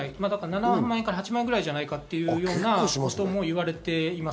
７万円から８万円ぐらいということも言われています。